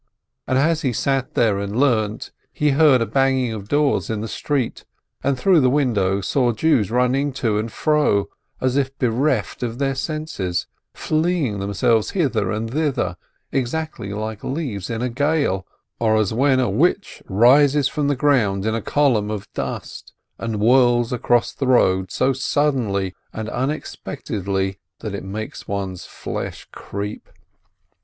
And as he sat there and learnt, he heard a banging of doors in the street, and through the window saw Jews running to and fro, as if bereft of their senses, flinging themselves hither and thither exactly like leaves in a gale, or as when a witch rises from the ground in a column of dust, and whirls across the road so suddenly and unexpectedly that it makes one's flesh creep.